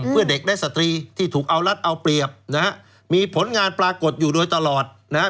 เพื่อเด็กและสตรีที่ถูกเอารัดเอาเปรียบนะฮะมีผลงานปรากฏอยู่โดยตลอดนะฮะ